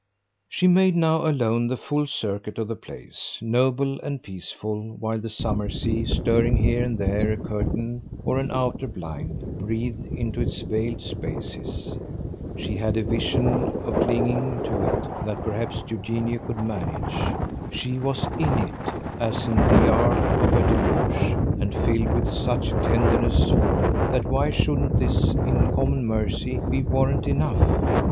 She made now, alone, the full circuit of the place, noble and peaceful while the summer sea, stirring here and there a curtain or an outer blind, breathed into its veiled spaces. She had a vision of clinging to it; that perhaps Eugenio could manage. She was IN it, as in the ark of her deluge, and filled with such a tenderness for it that why shouldn't this, in common mercy, be warrant enough?